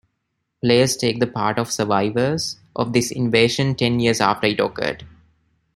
Players take the part of survivors of this invasion ten years after it occurred.